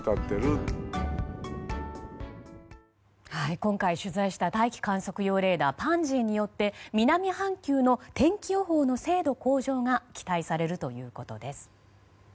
今回取材した大気観測用レーダー「ＰＡＮＳＹ」によって南半球の天気予報の精度向上が期待されるということです。